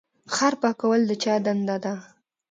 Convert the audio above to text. ښار پاکول د چا دنده ده؟